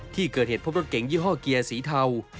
ที่เกิดเหตุพบรถเก๋งยี่ห้อเกียร์สีเทา